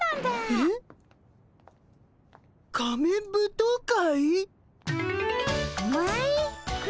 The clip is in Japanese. えっ？仮面舞踏会？